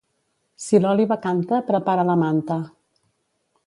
Si l'òliba canta, prepara la manta.